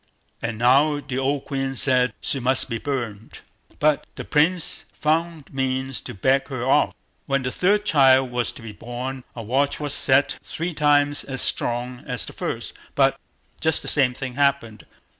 And now the old queen said she must be burnt, but the Prince found means to beg her off. But when the third child was to be born, a watch was set three times as strong as the first, but just the same thing happened.